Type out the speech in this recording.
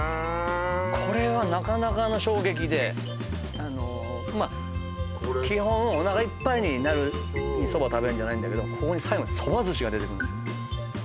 これはなかなかの衝撃でまっ基本おなかいっぱいになる蕎麦食べるんじゃないんだけど最後にそば寿司が出てくるんですよ